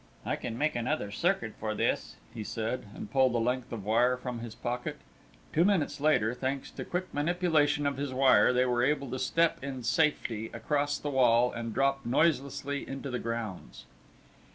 "I can make another circuit for this," he said, and pulled a length of wire from his pocket. Two minutes later, thanks to quick manipulation of his wire, they were able to step in safety across the wall and drop noiselessly into the grounds.